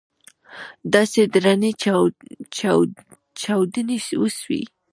داسې درنې چاودنې وسوې.